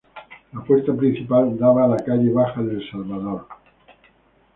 La puerta principal daba a la calle Baja del Salvador.